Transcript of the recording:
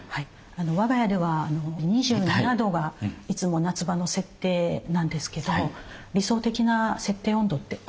我が家では２７度がいつも夏場の設定なんですけど理想的な設定温度ってありますか？